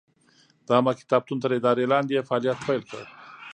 د عامه کتابتون تر ادارې لاندې یې فعالیت پیل کړ.